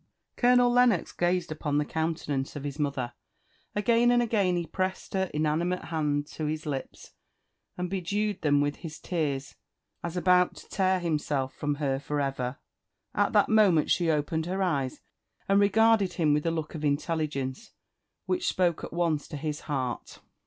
Colonel Lennox gazed upon the countenance of his mother. Again and again he pressed her inanimate hands to his lips, and bedewed them with his tears, as about to tear himself from her for ever. At that moment she opened her eyes, and regarded him with a look of intelligence, which spoke at once to his heart.